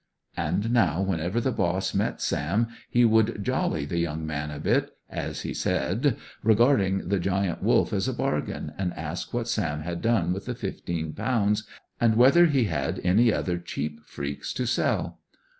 And now, whenever the boss met Sam, he would "jolly" the young man a bit, as he said, regarding the Giant Wolf as a bargain, and ask what Sam had done with the fifteen pounds, and whether he had any other cheap freaks to sell.